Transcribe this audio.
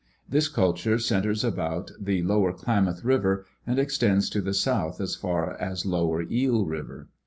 This culture centers about the lower Klamath river and extends to the south as far as lower Eel river.